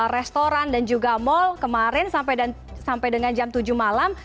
restoran dan juga mal kemarin sampai dengan jam tujuh malam